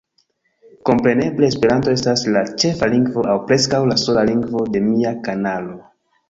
Kompreneble, Esperanto estas la ĉefa lingvo aŭ preskaŭ la sola lingvo de mia kanalo.